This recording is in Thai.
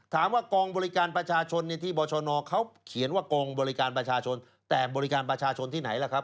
กองบริการประชาชนที่บรชนเขาเขียนว่ากองบริการประชาชนแต่บริการประชาชนที่ไหนล่ะครับ